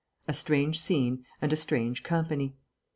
A strange scene, and a strange company.